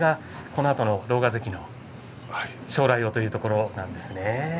このあとの狼雅関の将来をということなんですね。